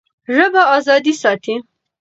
ژبه ازادي ساتي.